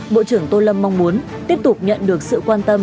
bộ trưởng tô lâm mong muốn tiếp tục nhận được sự quan tâm